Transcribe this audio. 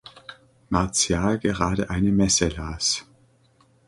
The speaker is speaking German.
Martial gerade eine Messe las.